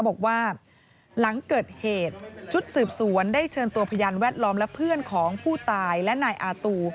บอกว่าหลังเกิดเหตุชุดสืบสวนได้เชิญตัวพยานแวดล้อมและเพื่อนของผู้ตายและนายอาตู